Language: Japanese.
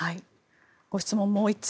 ご質問、もう１通。